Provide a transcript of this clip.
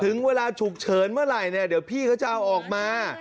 ถึงเวลาฉุกเฉินเมื่อไหร่เนี่ยเดี๋ยวพี่เขาจะเอาออกมา